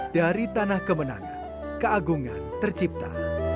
dari tanah kemenangan keagungan tercipta